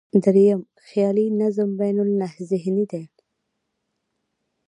درېیم، خیالي نظم بینالذهني دی.